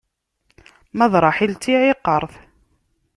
Ma d Ṛaḥil, d tiɛiqert.